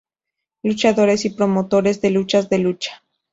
Luchadores y promotores de luchas de lucha.